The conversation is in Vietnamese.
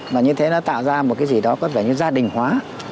mà như thế nó tạo ra một cái gì đó có vẻ như gia đình hóa